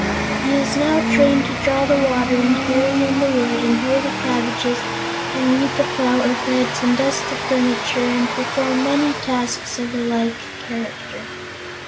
He is now trained to draw the water and carry in the wood and hoe the cabbages and weed the flower beds and dust the furniture and perform many tasks of a like character.